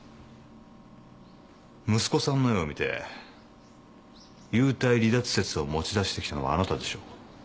息子さんの絵を見て幽体離脱説を持ち出してきたのはあなたでしょう。